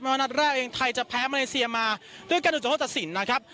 ไม่ว่านัดแรกเองไทยจะแพ้เมริเซียมาด้วยการถูกจัดสินนะครับ